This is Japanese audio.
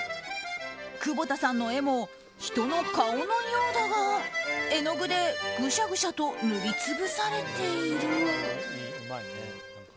久保田さんの絵も人の顔のようだが絵具で、ぐしゃぐしゃと塗り潰されている。